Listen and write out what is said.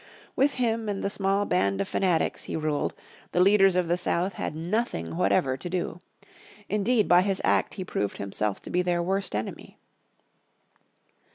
With him and the small band of fanatics he ruled the leaders of the South had nothing whatever to do. Indeed, by his act he proved himself to be their worst enemy.